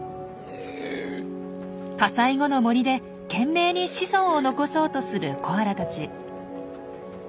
火災後の森で懸命に子孫を残そうとするコアラたち。